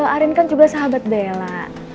arin kan juga sahabat bella